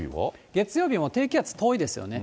月曜日も低気圧遠いですよね。